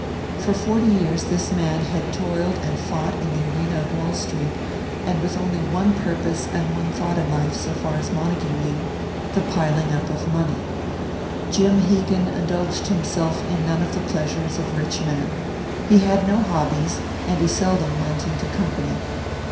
For forty years this man had toiled and fought in the arena of Wall Street, and with only one purpose and one thought in life, so far as Montague knew the piling up of money. Jim Hegan indulged himself in none of the pleasures of rich men. He had no hobbies, and he seldom went into company.